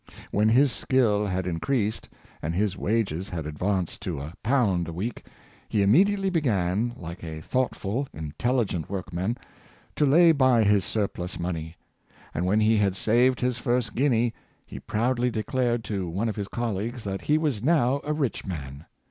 When his skill had in creased, and his wages had advanced to a pound a week, he immediately began, like a thoughtful, intelli gent workman, to lay by his surplus money; and when he had saved his first guinea he proudly declared to one of his colleagues that he was now a rich man!